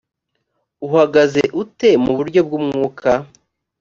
uhagaze ute mu buryo bw umwuka